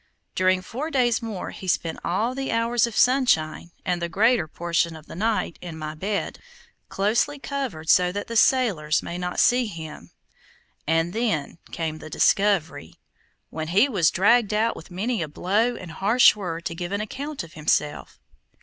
During four days more he spent all the hours of sunshine, and the greater portion of the night, in my bed, closely covered so that the sailors might not see him, and then came the discovery, when he was dragged out with many a blow and harsh word to give an account of himself.